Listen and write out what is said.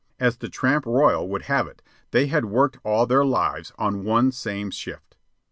As the "Tramp Royal" would have it, they had worked all their lives "on one same shift."